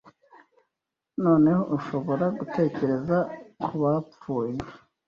Noneho' ushobora gutekereza ku bapfuye